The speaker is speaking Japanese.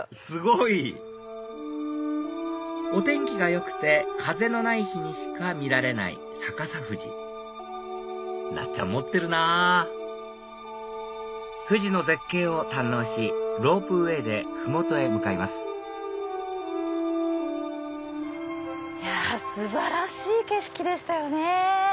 すごい！お天気がよくて風のない日にしか見られない逆さ富士なっちゃん持ってるなぁ富士の絶景を堪能しロープウエーで麓へ向かいます素晴らしい景色でしたよね。